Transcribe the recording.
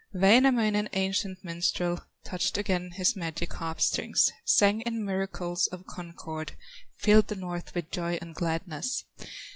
Wainamoinen, ancient minstrel, Touched again his magic harp strings, Sang in miracles of concord, Filled the north with joy and gladness.